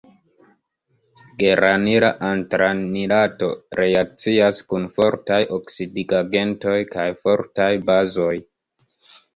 Geranila antranilato reakcias kun fortaj oksidigagentoj kaj fortaj bazoj.